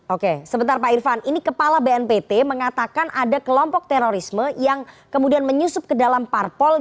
oke sebentar pak irfan ini kepala bnpt mengatakan ada kelompok terorisme yang kemudian menyusup ke dalam parpol